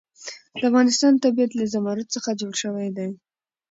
د افغانستان طبیعت له زمرد څخه جوړ شوی دی.